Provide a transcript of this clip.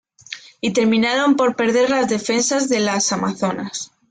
Y terminan por perder la defensa de las Amazonas.